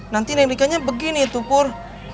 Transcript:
nanti neng rika nya begini tuh pur